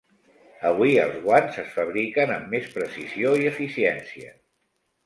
Avui, els guants es fabriquen amb més precisió i eficiència.